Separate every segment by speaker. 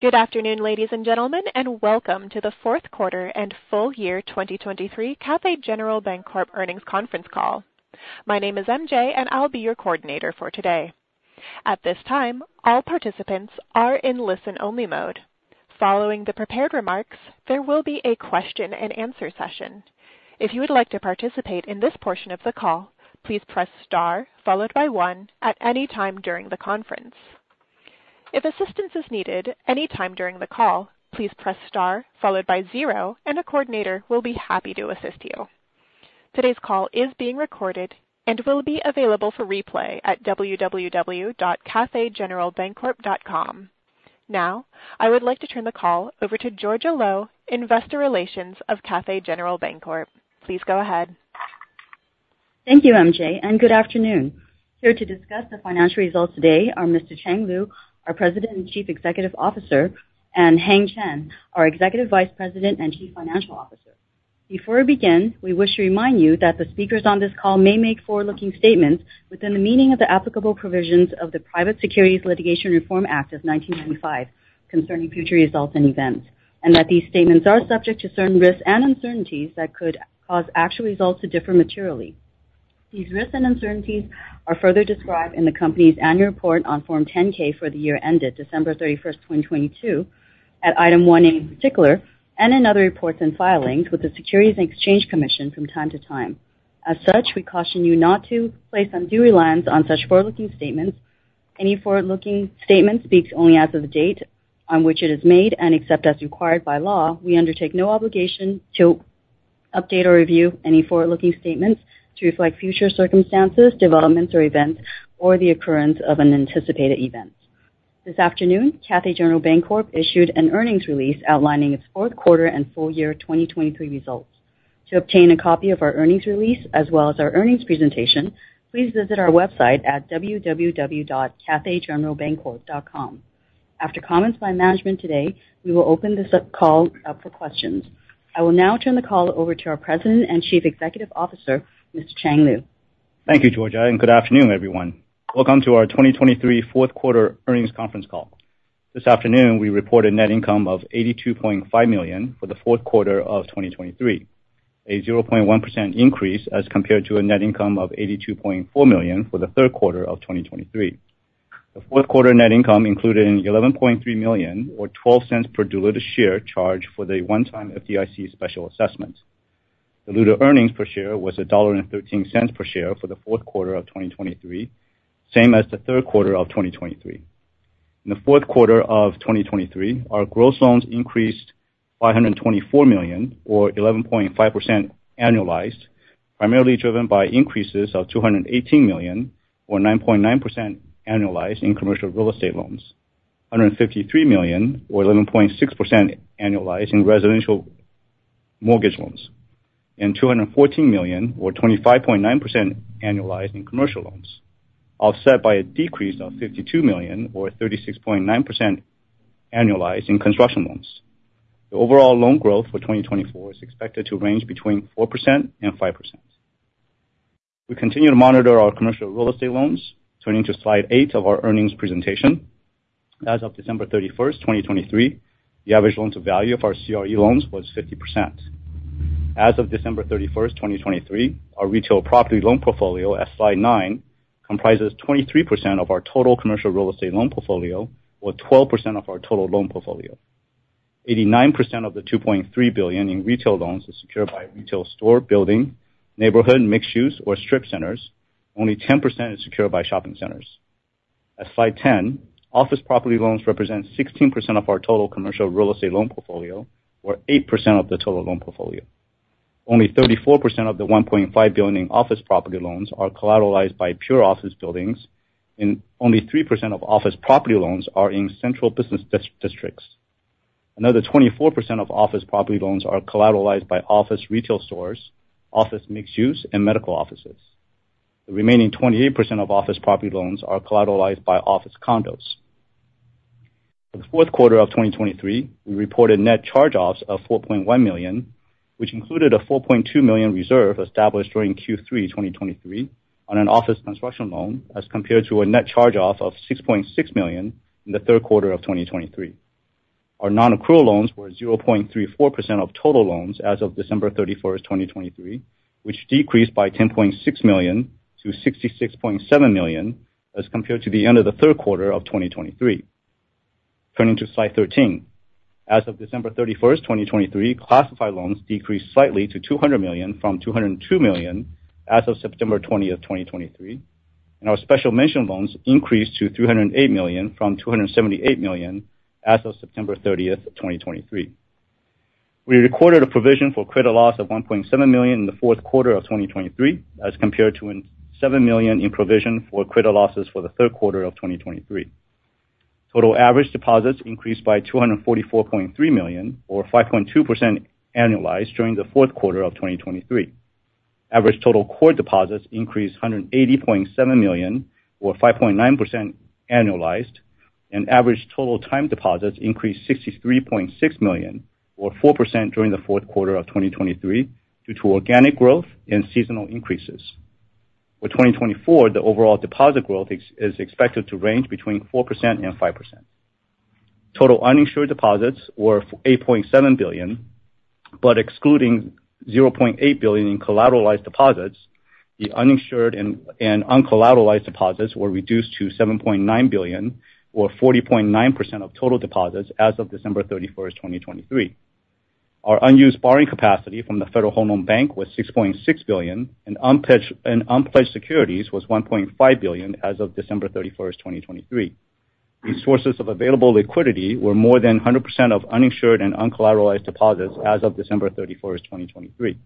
Speaker 1: Good afternoon, ladies and gentlemen, and welcome to the fourth quarter and full year 2023 Cathay General Bancorp earnings conference call. My name is MJ, and I'll be your coordinator for today. At this time, all participants are in listen-only mode. Following the prepared remarks, there will be a question and answer session. If you would like to participate in this portion of the call, please press star followed by one at any time during the conference. If assistance is needed any time during the call, please press star followed by zero, and a coordinator will be happy to assist you. Today's call is being recorded and will be available for replay at www.cathaygeneralbancorp.com. Now, I would like to turn the call over to Georgia Lo, Investor Relations of Cathay General Bancorp. Please go ahead.
Speaker 2: Thank you, MJ, and good afternoon. Here to discuss the financial results today are Mr. Chang Liu, our President and Chief Executive Officer, and Heng Chen, our Executive Vice President and Chief Financial Officer. Before we begin, we wish to remind you that the speakers on this call may make forward-looking statements within the meaning of the applicable provisions of the Private Securities Litigation Reform Act of 1995 concerning future results and events, and that these statements are subject to certain risks and uncertainties that could cause actual results to differ materially. These risks and uncertainties are further described in the company's annual report on Form 10-K for the year ended December 31, 2022, at Item 1 in particular, and in other reports and filings with the Securities and Exchange Commission from time to time. As such, we caution you not to place undue reliance on such forward-looking statements. Any forward-looking statement speaks only as of the date on which it is made, and except as required by law, we undertake no obligation to update or review any forward-looking statements to reflect future circumstances, developments or events, or the occurrence of an anticipated event. This afternoon, Cathay General Bancorp issued an earnings release outlining its fourth quarter and full year 2023 results. To obtain a copy of our earnings release, as well as our earnings presentation, please visit our website at www.cathaygeneralbancorp.com. After comments by management today, we will open up this call for questions. I will now turn the call over to our President and Chief Executive Officer, Mr. Chang Liu.
Speaker 3: Thank you, Georgia, and good afternoon, everyone. Welcome to our 2023 fourth quarter earnings conference call. This afternoon, we reported net income of $82.5 million for the fourth quarter of 2023, a 0.1% increase as compared to a net income of $82.4 million for the third quarter of 2023. The fourth quarter net income included in $11.3 million or $0.12 per diluted share charged for the one-time FDIC special assessment. Diluted earnings per share was $1.13 per share for the fourth quarter of 2023, same as the third quarter of 2023. In the fourth quarter of 2023, our gross loans increased $524 million, or 11.5% annualized, primarily driven by increases of $218 million, or 9.9% annualized in commercial real estate loans, $153 million, or 11.6% annualized in residential mortgage loans, and $214 million, or 25.9% annualized in commercial loans, offset by a decrease of $52 million, or 36.9% annualized in construction loans. The overall loan growth for 2024 is expected to range between 4% and 5%. We continue to monitor our commercial real estate loans. Turning to Slide 8 of our earnings presentation. As of December 31, 2023, the average loan-to-value of our CRE loans was 50%. As of December 31, 2023, our retail property loan portfolio at Slide 9 comprises 23% of our total commercial real estate loan portfolio, or 12% of our total loan portfolio. 89% of the $2.3 billion in retail loans is secured by retail store building, neighborhood, mixed use, or strip centers. Only 10% is secured by shopping centers. At Slide 10, office property loans represent 16% of our total commercial real estate loan portfolio, or 8% of the total loan portfolio. Only 34% of the $1.5 billion in office property loans are collateralized by pure office buildings, and only 3% of office property loans are in central business districts. Another 24% of office property loans are collateralized by office retail stores, office mixed use, and medical offices. The remaining 28% of office property loans are collateralized by office condos. For the fourth quarter of 2023, we reported net charge-offs of $4.1 million, which included a $4.2 million reserve established during Q3 2023 on an office construction loan, as compared to a net charge-off of $6.6 million in the third quarter of 2023. Our non-accrual loans were 0.34% of total loans as of December 31, 2023, which decreased by $10.6 million to $66.7 million as compared to the end of the third quarter of 2023. Turning to Slide 13. As of December 31, 2023, classified loans decreased slightly to $200 million from $202 million as of September 30, 2023, and our special mention loans increased to $308 million from $278 million as of September 30, 2023. We recorded a provision for credit loss of $1.7 million in the fourth quarter of 2023, as compared to $7 million in provision for credit losses for the third quarter of 2023. Total average deposits increased by $244.3 million, or 5.2% annualized during the fourth quarter of 2023. Average total core deposits increased $180.7 million, or 5.9% annualized, and average total time deposits increased $63.6 million, or 4% during the fourth quarter of 2023 due to organic growth and seasonal increases. For 2024, the overall deposit growth is expected to range between 4% and 5%. Total uninsured deposits were $8.7 billion, but excluding $0.8 billion in collateralized deposits, the uninsured and uncollateralized deposits were reduced to $7.9 billion, or 40.9% of total deposits as of December 31, 2023. Our unused borrowing capacity from the Federal Home Loan Bank was $6.6 billion, and unpledged securities was $1.5 billion as of December 31, 2023. These sources of available liquidity were more than 100% of uninsured and uncollateralized deposits as of December 31, 2023.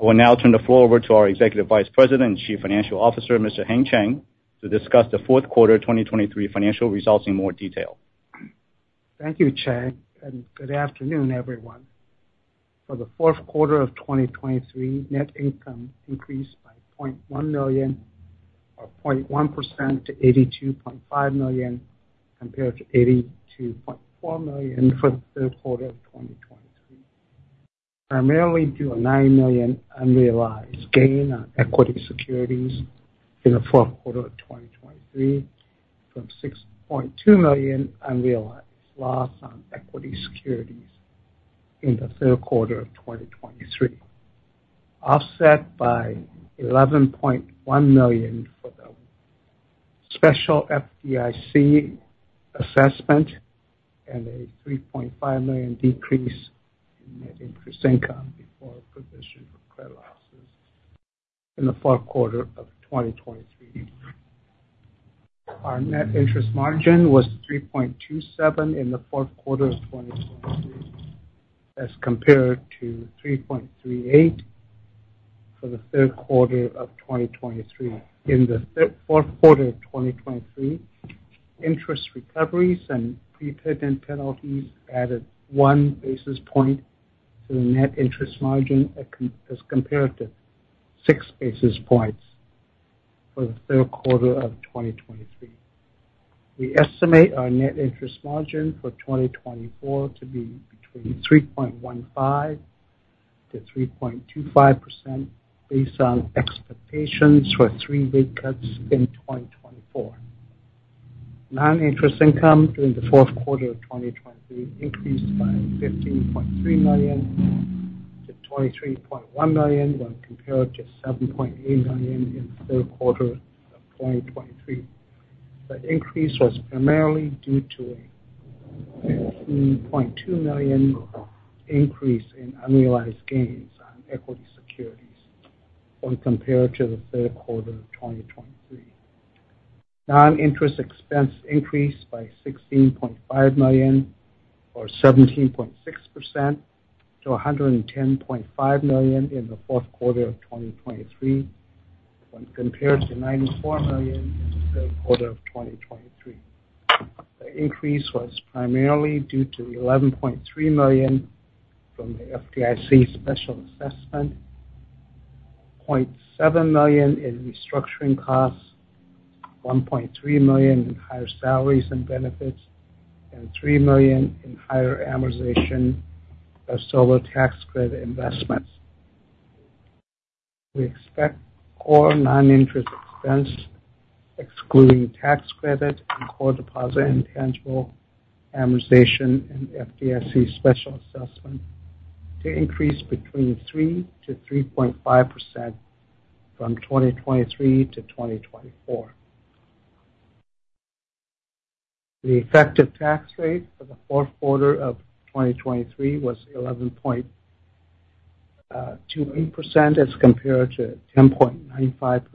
Speaker 3: I will now turn the floor over to our Executive Vice President and Chief Financial Officer, Mr. Heng Chen, to discuss the fourth quarter of 2023 financial results in more detail.
Speaker 4: Thank you, Chang, and good afternoon, everyone. For the fourth quarter of 2023, net income increased by $0.1 million, or 0.1% to $82.5 million, compared to $82.4 million for the third quarter of 2023. Primarily due to a $9 million unrealized gain on equity securities in the fourth quarter of 2023, from $6.2 million unrealized loss on equity securities in the third quarter of 2023. Offset by $11.1 million for the special FDIC assessment and a $3.5 million decrease in net interest income before provision for credit losses in the fourth quarter of 2023. Our net interest margin was 3.27% in the fourth quarter of 2023, as compared to 3.38% for the third quarter of 2023. In the fourth quarter of 2023, interest recoveries and prepayment penalties added 1 basis point to the net interest margin as compared to 6 basis points for the third quarter of 2023. We estimate our net interest margin for 2024 to be between 3.15%-3.25% based on expectations for 3 rate cuts in 2024. Non-interest income during the fourth quarter of 2023 increased by $15.3 million to $23.1 million, when compared to $7.8 million in the third quarter of 2023. That increase was primarily due to a $13.2 million increase in unrealized gains on equity securities when compared to the third quarter of 2023. Noninterest expense increased by $16.5 million, or 17.6% to $110.5 million in the fourth quarter of 2023, when compared to $94 million in the third quarter of 2023. The increase was primarily due to $11.3 million from the FDIC special assessment, $0.7 million in restructuring costs, $1.3 million in higher salaries and benefits, and $3 million in higher amortization of solar tax credit investments. We expect core noninterest expense, excluding tax credit and core deposit intangible amortization, and FDIC special assessment, to increase between 3%-3.5% from 2023 to 2024. The effective tax rate for the fourth quarter of 2023 was 11.28% as compared to 10.95%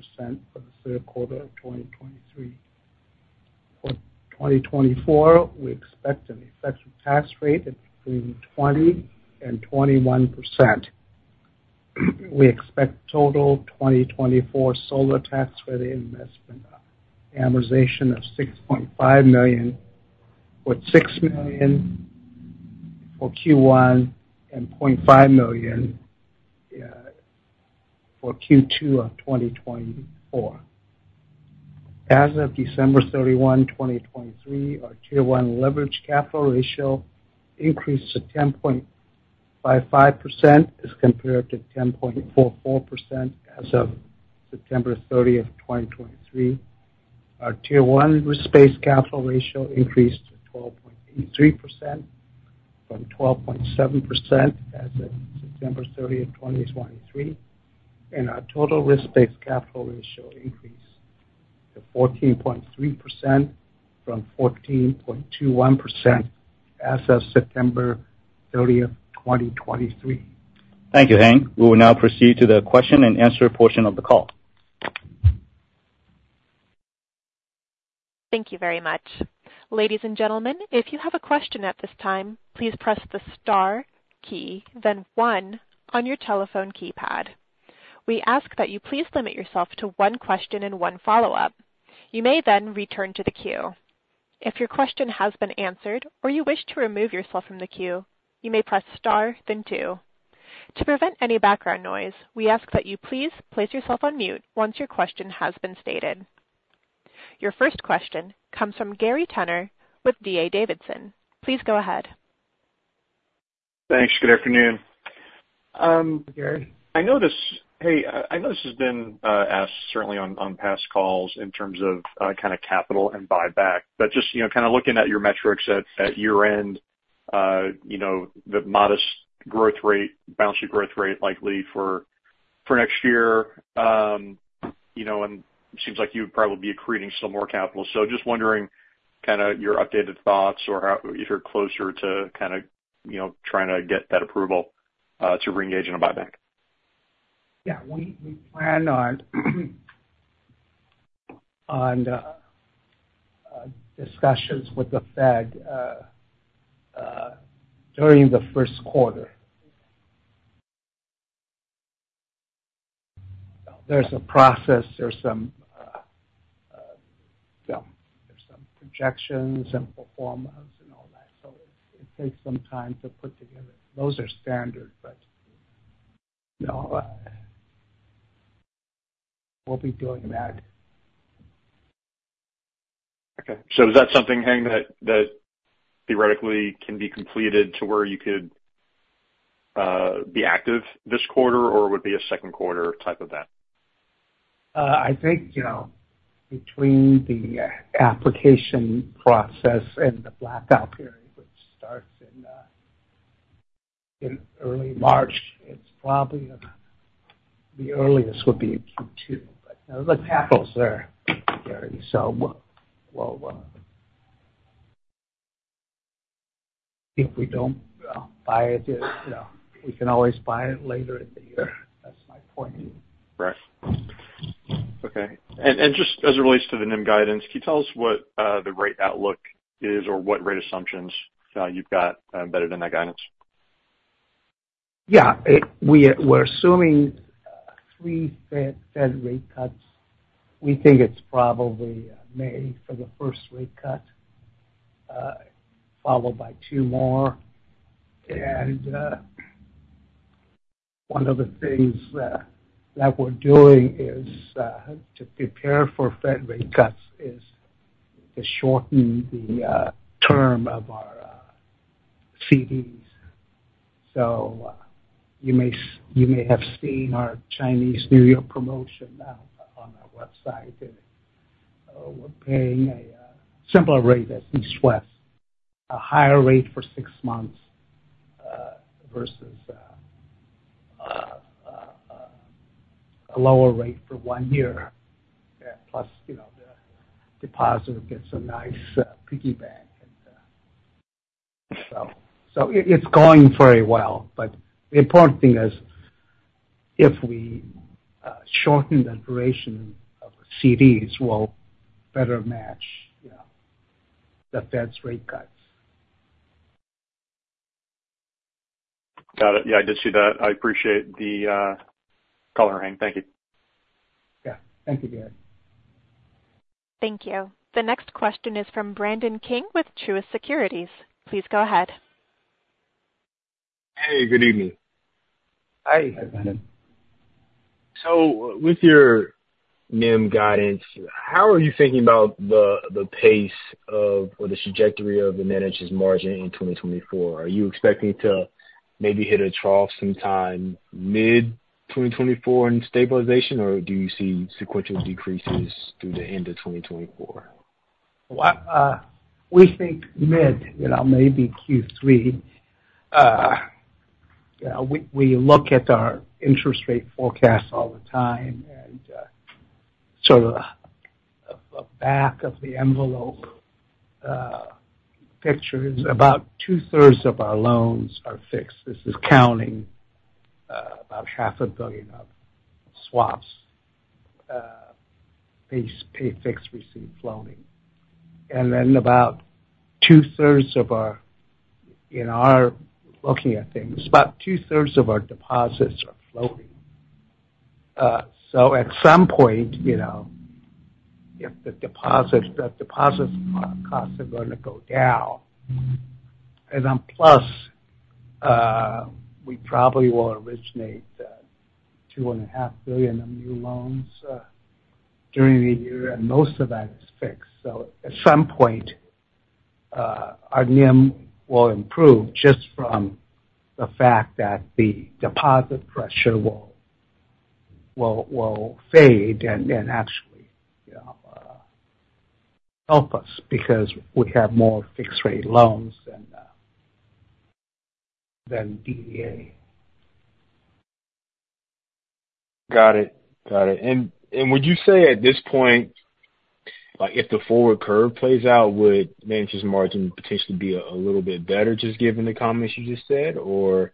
Speaker 4: for the third quarter of 2023. For 2024, we expect an effective tax rate of between 20% and 21%. We expect total 2024 solar tax credit investment amortization of $6.5 million, with $6 million for Q1 and $0.5 million for Q2 of 2024. As of December 31, 2023, our Tier 1 leverage capital ratio increased to 10.55% as compared to 10.44% as of September 30, 2023. Our Tier 1 risk-based capital ratio increased to 12.83% from 12.7% as of September 30, 2023, and our Total risk-based capital ratio increased to 14.3% from 14.21% as of September 30, 2023.
Speaker 3: Thank you, Heng. We will now proceed to the question and answer portion of the call.
Speaker 1: Thank you very much. Ladies and gentlemen, if you have a question at this time, please press the star key, then one on your telephone keypad. We ask that you please limit yourself to one question and one follow-up. You may then return to the queue. If your question has been answered or you wish to remove yourself from the queue, you may press star, then two. To prevent any background noise, we ask that you please place yourself on mute once your question has been stated. Your first question comes from Gary Tenner with D.A. Davidson. Please go ahead.
Speaker 5: Thanks. Good afternoon.
Speaker 4: Gary.
Speaker 5: I notice I know this has been asked certainly on past calls in terms of kind of capital and buyback, but just, you know, kind of looking at your metrics at year-end, you know, and seems like you'd probably be accreting some more capital. So just wondering, kind of your updated thoughts or how... If you're closer to kind of, you know, trying to get that approval to reengage in a buyback.
Speaker 4: Yeah, we plan on discussions with the Fed during the first quarter. There's a process. You know, there's some projections and performance and all that, so it takes some time to put together. Those are standard, but, you know, we'll be doing that.
Speaker 5: Okay. So is that something, Heng, that theoretically can be completed to where you could be active this quarter, or would be a second quarter type event?
Speaker 4: I think, you know, between the, application process and the blackout period, which starts in, in early March, it's probably about... the earliest would be in Q2. But, you know, the capital's there, Gary, so we'll, if we don't, buy it, you know, we can always buy it later in the year. That's my point.
Speaker 5: Right. Okay. And just as it relates to the NIM guidance, can you tell us what the rate outlook is or what rate assumptions you've got embedded in that guidance?
Speaker 4: Yeah, we're assuming three Fed rate cuts. We think it's probably May for the first rate cut followed by two more. And one of the things that we're doing is to prepare for Fed rate cuts, is to shorten the term of our CDs. So you may have seen our Chinese New Year promotion on our website. And we're paying a similar rate as East West, a higher rate for six months versus a lower rate for one year. Plus, you know, the depositor gets a nice piggyback and so it's going very well. But the important thing is, if we shorten the duration of CDs, we'll better match, you know, the Fed's rate cuts.
Speaker 5: Got it. Yeah, I did see that. I appreciate the color, Heng. Thank you.
Speaker 4: Yeah. Thank you, Gary.
Speaker 1: Thank you. The next question is from Brandon King with Truist Securities. Please go ahead.
Speaker 6: Hey, good evening.
Speaker 4: Hi, Brandon.
Speaker 6: So with your NIM guidance, how are you thinking about the pace of, or the trajectory of the net interest margin in 2024? Are you expecting to maybe hit a trough sometime mid-2024 in stabilization, or do you see sequential decreases through the end of 2024?
Speaker 4: Well, we think mid, you know, maybe Q3. We look at our interest rate forecast all the time, and so a back-of-the-envelope picture is about two-thirds of our loans are fixed. This is counting about $500 million of swaps, basis, pay fixed receive floating. And then about two-thirds of our... In our looking at things, about two-thirds of our deposits are floating. So at some point, you know, if the deposits, the deposits costs are gonna go down, and then plus we probably will originate $2.5 billion of new loans during the year, and most of that is fixed. So at some point, our NIM will improve just from the fact that the deposit pressure will fade and actually help us, because we have more fixed rate loans than DDA.
Speaker 6: Got it. Got it. And would you say at this point, like if the forward curve plays out, would net interest margin potentially be a little bit better, just given the comments you just said? Or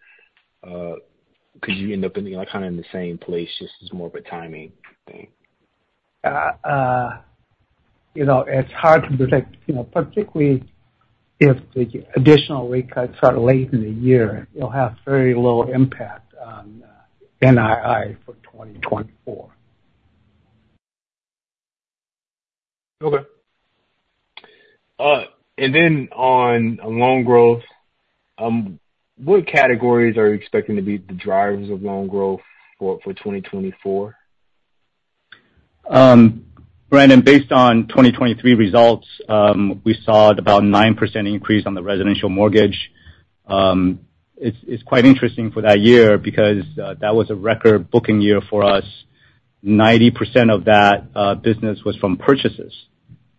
Speaker 6: could you end up in the, like, kind of in the same place, just as more of a timing thing?
Speaker 4: You know, it's hard to predict, you know, particularly if the additional rate cuts are late in the year. It'll have very low impact on NII for 2024.
Speaker 6: Okay. Then on loan growth, what categories are you expecting to be the drivers of loan growth for 2024?
Speaker 3: Brandon, based on 2023 results, we saw about 9% increase on the residential mortgage. It's quite interesting for that year because that was a record booking year for us. 90% of that business was from purchases,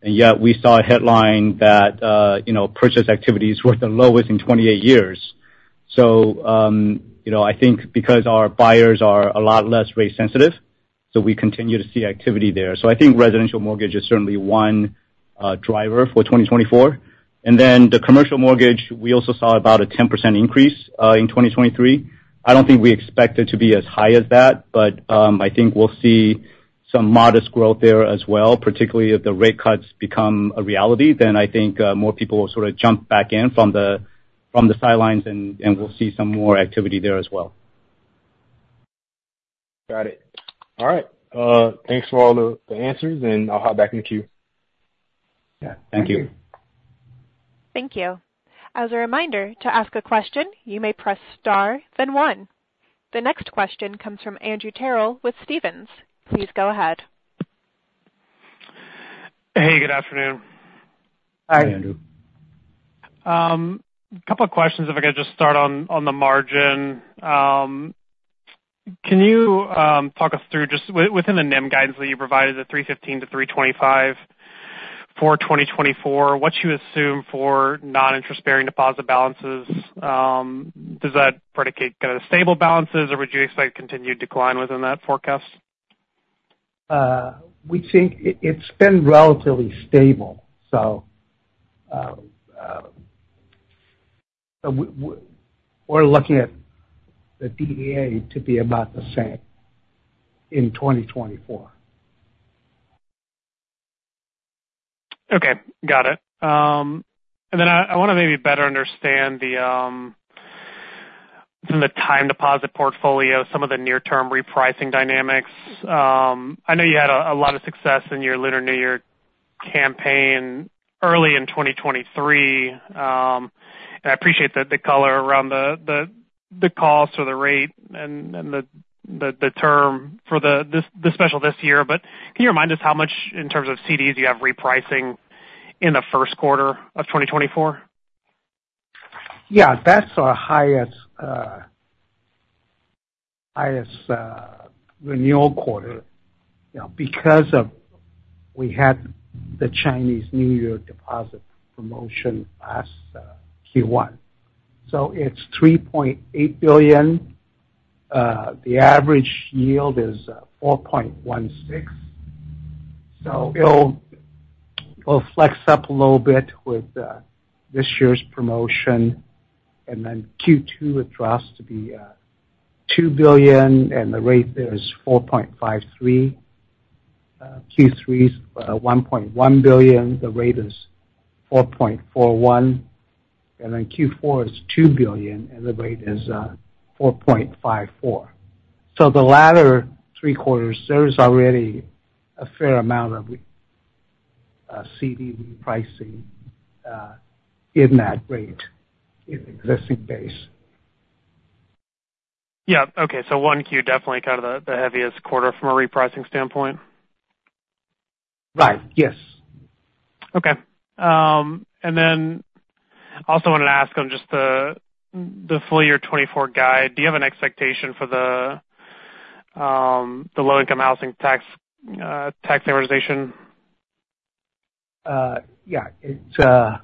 Speaker 3: and yet we saw a headline that, you know, purchase activities were the lowest in 28 years. So, you know, I think because our buyers are a lot less rate sensitive, so we continue to see activity there. So I think residential mortgage is certainly one driver for 2024. And then the commercial mortgage, we also saw about a 10% increase in 2023. I don't think we expect it to be as high as that, but I think we'll see some modest growth there as well, particularly if the rate cuts become a reality. Then I think, more people will sort of jump back in from the, from the sidelines, and, and we'll see some more activity there as well.
Speaker 6: Got it. All right. Thanks for all the answers, and I'll hop back in the queue.
Speaker 3: Yeah. Thank you.
Speaker 1: Thank you. As a reminder, to ask a question, you may press Star, then One. The next question comes from Andrew Terrell with Stephens. Please go ahead.
Speaker 7: Hey, good afternoon.
Speaker 4: Hi, Andrew.
Speaker 7: A couple of questions. If I could just start on the margin. Can you talk us through just within the NIM guidance that you provided, the 3.15%-3.25% for 2024, what you assume for non-interest-bearing deposit balances? Does that predicate kind of stable balances, or would you expect continued decline within that forecast?
Speaker 4: We think it's been relatively stable, so we're looking at the DDA to be about the same in 2024.
Speaker 7: Okay. Got it. And then I wanna maybe better understand from the time deposit portfolio, some of the near-term repricing dynamics. I know you had a lot of success in your Lunar New Year campaign early in 2023. And I appreciate the color around the cost or the rate and the term for the special this year. But can you remind us how much in terms of CDs you have repricing in the first quarter of 2024?
Speaker 4: Yeah, that's our highest renewal quarter, you know, because of we had the Chinese New Year deposit promotion last Q1. So it's $3.8 billion. The average yield is 4.16%. So, it'll flex up a little bit with this year's promotion. And then Q2, it drops to $2 billion, and the rate there is 4.53%. Q3's $1.1 billion, the rate is 4.41%, and then Q4 is $2 billion, and the rate is 4.54%. So, the latter three quarters, there is already a fair amount of CD pricing in that rate in existing base.
Speaker 7: Yeah. Okay. So 1, definitely kind of the heaviest quarter from a repricing standpoint?
Speaker 4: Right. Yes.
Speaker 7: Okay. And then also wanted to ask on just the full year 2024 guide, do you have an expectation for the Low-Income Housing Tax Credit amortization?
Speaker 4: Yeah, it's.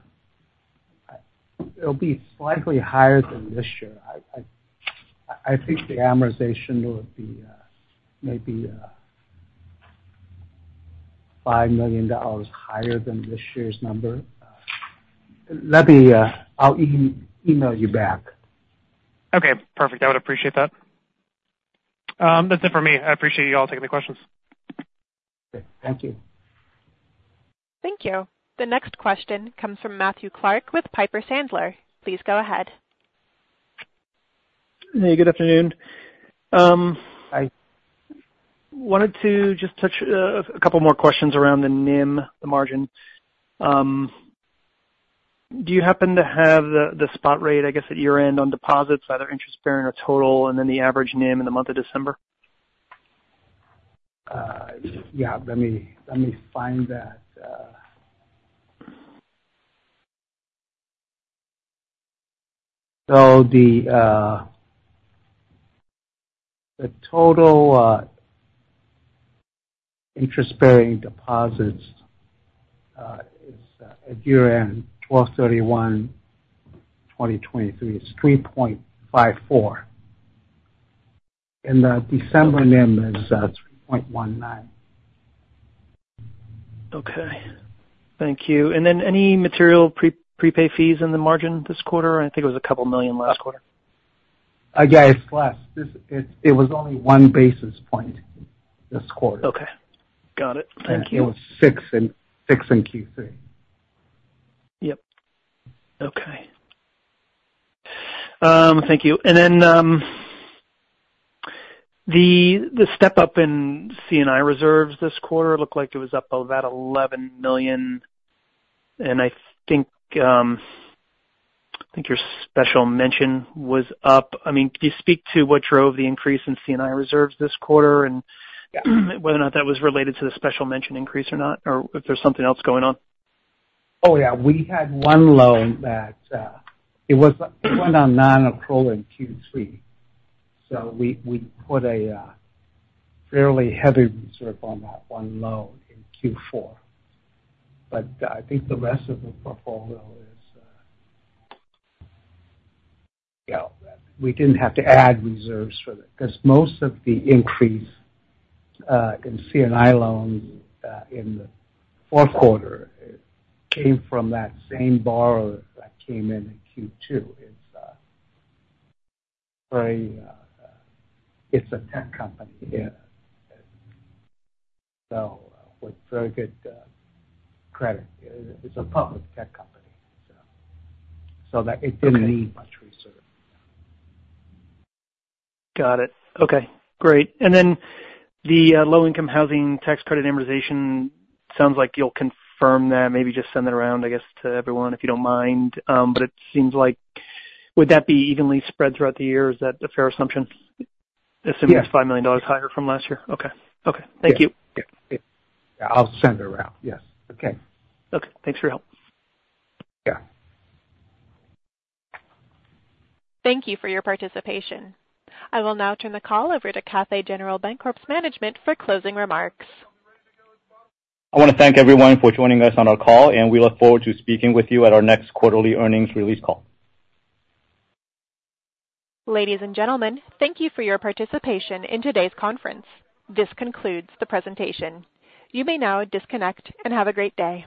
Speaker 4: It'll be slightly higher than this year. I think the amortization will be maybe $5 million higher than this year's number. Let me, I'll email you back.
Speaker 7: Okay, perfect. I would appreciate that. That's it for me. I appreciate you all taking the questions.
Speaker 4: Thank you.
Speaker 1: Thank you. The next question comes from Matthew Clark with Piper Sandler. Please go ahead.
Speaker 8: Hey, good afternoon.
Speaker 4: Hi.
Speaker 8: Wanted to just touch a couple more questions around the NIM, the margin. Do you happen to have the spot rate, I guess, at your end on deposits, either interest bearing or total, and then the average NIM in the month of December?
Speaker 4: Yeah, let me, let me find that. So, the total interest-bearing deposits is at year-end, 12/31/2023, it's $3.54, and the December NIM is 3.19%.
Speaker 8: Okay. Thank you. And then any material prepay fees in the margin this quarter? I think it was $2 million last quarter.
Speaker 4: Yeah, it's less. This, it was only one basis point this quarter.
Speaker 8: Okay. Got it. Thank you.
Speaker 4: It was 6 in, 6 in Q3.
Speaker 8: Yep. Okay. Thank you. And then, the step-up in C&I reserves this quarter looked like it was up about $11 million, and I think your special mention was up. I mean, could you speak to what drove the increase in C&I reserves this quarter and whether or not that was related to the special mention increase or not, or if there's something else going on?
Speaker 4: Oh, yeah. We had one loan that it went on non-accrual in Q3. So, we put a fairly heavy reserve on that one loan in Q4. But I think the rest of the portfolio is, yeah, we didn't have to add reserves for that, because most of the increase in C&I loans in the fourth quarter came from that same borrower that came in in Q2. It's very, it's a tech company. Yeah. So, with very good credit. It's a public tech company. So that it didn't need much reserve.
Speaker 8: Got it. Okay, great. And then the Low-Income Housing Tax Credit amortization sounds like you'll confirm that. Maybe just send that around, I guess, to everyone, if you don't mind. But it seems like would that be evenly spread throughout the year? Is that a fair assumption?
Speaker 4: Yes.
Speaker 8: Assuming it's $5 million higher from last year. Okay. Okay. Thank you.
Speaker 4: Yeah. I'll send it around. Yes. Okay.
Speaker 8: Okay. Thanks for your help.
Speaker 4: Yeah.
Speaker 1: Thank you for your participation. I will now turn the call over to Cathay General Bancorp's management for closing remarks.
Speaker 3: I want to thank everyone for joining us on our call, and we look forward to speaking with you at our next quarterly earnings release call.
Speaker 1: Ladies and gentlemen, thank you for your participation in today's conference. This concludes the presentation. You may now disconnect and have a great day.